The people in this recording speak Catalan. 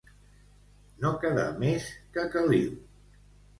No quedar més que caliu.